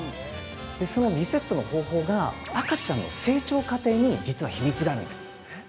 そのリセットの方法が赤ちゃんの成長過程に実は秘密があるんです。